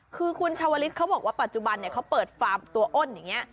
คือคุณชาวลิศเขาบอกว่าปัจจุบันเขาเปิดฟาร์มตัวอ้นอย่างนี้